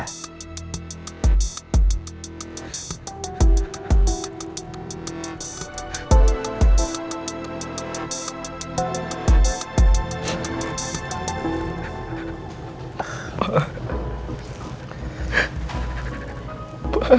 pangeran kamu mau beri alih alih